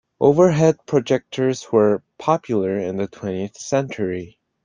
Overhead projectors were popular in the twentieth century.